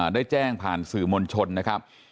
ได้แจ้งผ่านสื่อมวลชนนะครับ